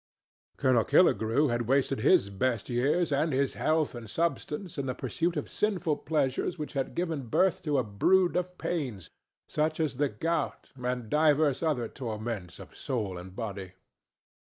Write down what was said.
Colonel Killigrew had wasted his best years and his health and substance in the pursuit of sinful pleasures which had given birth to a brood of pains, such as the gout and divers other torments of soul and body.